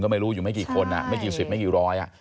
ไม่รู้อยู่ไม่กี่คนอ่ะไม่กี่สิบไม่กี่ร้อยอ่ะ